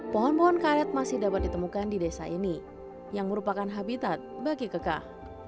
pohon pohon karet masih dapat ditemukan di desa ini yang merupakan habitat bagi kekah